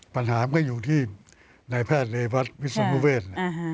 ปัญหามันก็อยู่ที่นายแพทย์ในวัดวิทยาลัยมุเวศน์